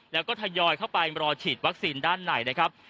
แล้วก็ทยอยเข้าไปรอฉีดวัคซีนด้านในนะครับ